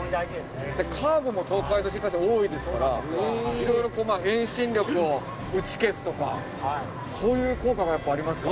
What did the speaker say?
カーブも東海道新幹線多いですからいろいろ遠心力を打ち消すとかそういう効果もやっぱありますか。